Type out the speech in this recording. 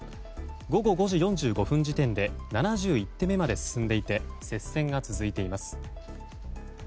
午後５時４５分時点で７１手目まで進んでいて接戦が続いています。